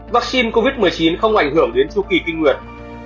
vắc xin covid một mươi chín không ảnh hưởng đến chu kỳ kinh nguyệt